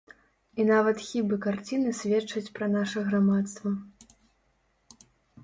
І нават хібы карціны сведчаць пра наша грамадства.